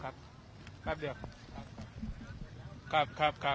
ครับครับครับครับขอบคุณมากครับ